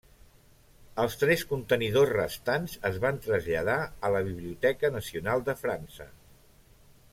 Els tres contenidors restants es van traslladar a la Biblioteca Nacional de França.